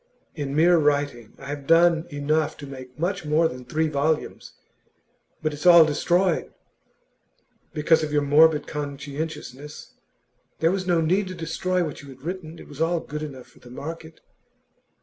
In mere writing, I have done enough to make much more than three volumes; but it's all destroyed.' 'Because of your morbid conscientiousness. There was no need to destroy what you had written. It was all good enough for the market.